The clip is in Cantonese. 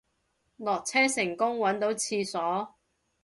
落車成功搵到廁所